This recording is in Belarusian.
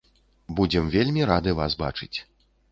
Будзем вельмі рады вас бачыць.